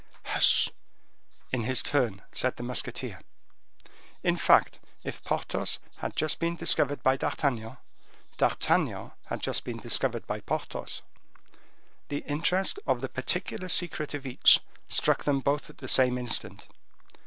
"Hush!" in his turn, said the musketeer. In fact, if Porthos had just been discovered by D'Artagnan, D'Artagnan had just been discovered by Porthos. The interest of the particular secret of each struck them both at the same instant.